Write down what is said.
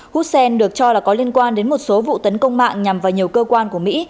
hussel được cho là có liên quan đến một số vụ tấn công mạng nhằm vào nhiều cơ quan của mỹ